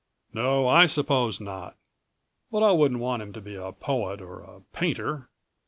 "No, I suppose not. But I wouldn't want him to be a poet or a painter.